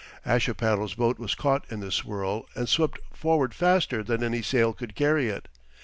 Ashipattle's boat was caught in the swirl and swept forward faster than any sail could carry it.